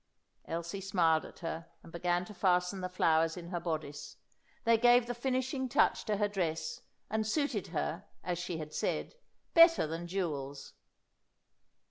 Elsie smiled at her, and began to fasten the flowers in her bodice. They gave the finishing touch to her dress, and suited her, as she had said, better than jewels.